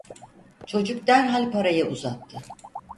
Çocuk derhal parayı uzattı.